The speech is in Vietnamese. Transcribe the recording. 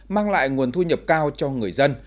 mang lại nguồn thu nhập cao cho người dân